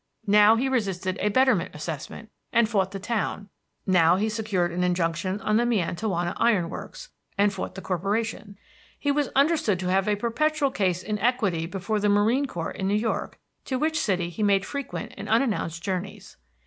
Now he resisted a betterment assessment, and fought the town; now he secured an injunction on the Miantowona Iron Works, and fought the corporation. He was understood to have a perpetual case in equity before the Marine Court in New York, to which city he made frequent and unannounced journeys.